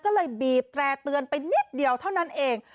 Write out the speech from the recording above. ก็เลยบีบแตร่เตือนไปนิดเดียวเท่านั้นเอง